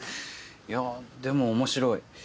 いやでも面白い。